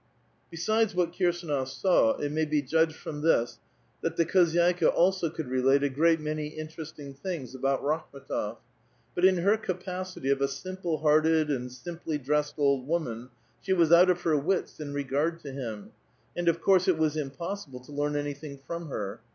'' Besides what Kirsdnof saw, it may be judged from this tihat the khozy(Uka also could relate a great many interesting t:liiugs about Rakhm^tof ; but in her capacity of a simple liearted and simply dressed old woman, she was out of her ^wits in regard to him, and, of course, it was impossible to learn anything from her.